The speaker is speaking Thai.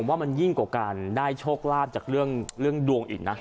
ว่ามันยิ่งกว่าการได้โชคลาภจากเรื่องดวงอีกนะ